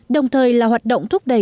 đồng thời là hoạt động thúc đẩy sự yên tâm